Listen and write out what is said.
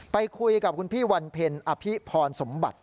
ไปคุยกับคุณพี่วันเพ็ญอภิพรสมบัติ